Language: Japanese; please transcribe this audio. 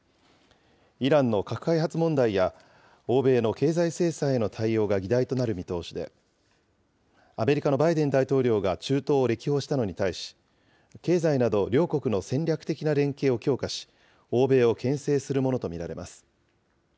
イランの核開発問題や欧米の経済制裁への対応が議題となる見通しで、アメリカのバイデン大統領が中東を歴訪したのに対し、経済など両国の戦略的な連携を強化し、欧米をけん制するものと見られます。